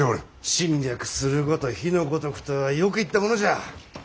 「侵略すること火の如く」とはよく言ったものじゃ。